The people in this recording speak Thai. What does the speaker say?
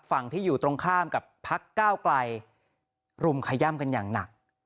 ฝั่งที่อยู่ตรงข้ามกับพักก้าวไกลรุมขย่ำกันอย่างหนัก